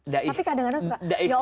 tapi kadang kadang suka